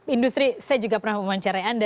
industri saya juga pernah mewawancarai anda